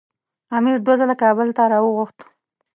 امیر دوه ځله کابل ته راوغوښت.